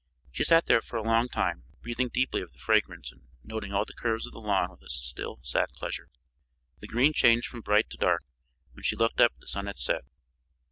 She sat there for a long time, breathing deeply of the fragrance and noting all the curves of the lawn with a still, sad pleasure. The green changed from bright to dark; when she looked up the sun had set.